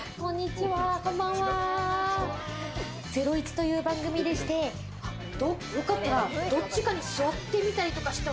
こんばんは、『ゼロイチ』という番組でして、よかったら、どっちかに座ってみたりとかしても。